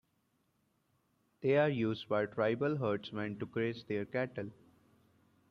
They are used by tribal herdsmen to graze their cattle.